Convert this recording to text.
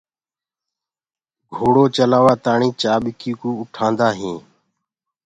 گھوڙو چلآوآ تآڻي چآڀڪي ڪو اُٺآندآ هينٚ